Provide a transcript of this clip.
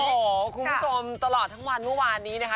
โอ้โหคุณผู้ชมตลอดทั้งวันเมื่อวานนี้นะคะ